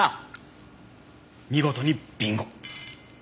見事にビンゴ。